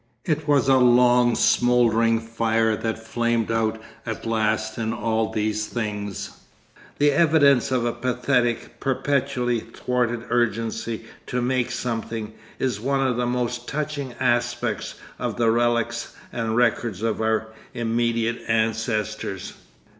It was a long smouldering fire that flamed out at last in all these things. The evidence of a pathetic, perpetually thwarted urgency to make something, is one of the most touching aspects of the relics and records of our immediate ancestors.